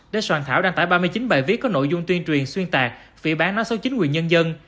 để soạn thảo đăng tải ba mươi chín bài viết có nội dung tuyên truyền xuyên tạc phỉ bán nói xấu chính quyền nhân dân